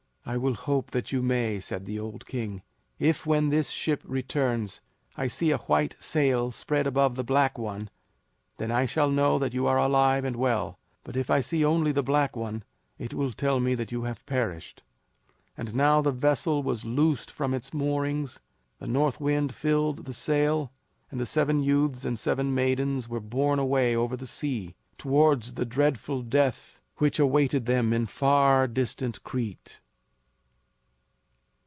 "I will hope that you may," said the old king. "If when this ship returns, I see a white sail spread above the black one, then I shall know that you are alive and well; but if I see only the black one, it will tell me that you have perished." And now the vessel was loosed from its moorings, the north wind filled the sail, and the seven youths and seven maidens were borne away over the sea, towards the dreadful death which awaited them in far distant Crete.